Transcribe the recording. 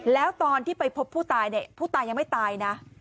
แล้วตอนที่ไปพบผู้ตายเนี่ยผู้ตายยังไม่ตายนะ